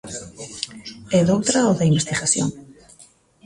E doutra, o da investigación.